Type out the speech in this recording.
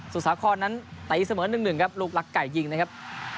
สุสาคอนนั้นต๋ยเสมอหนึ่งหนึ่งครับลูกรักไก่ยิงนะครับ